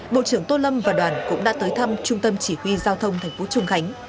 bộ trưởng tô lâm và đoàn cũng đã tới thăm trung tâm chỉ huy giao thông thành phố trung khánh